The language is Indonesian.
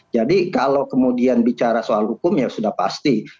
jadi kalau kemudian bicara soal hukum ya sudah pasti